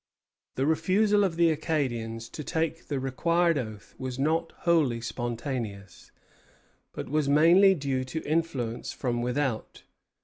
The refusal of the Acadians to take the required oath was not wholly spontaneous, but was mainly due to influence from without.